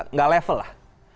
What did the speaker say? nggak level lah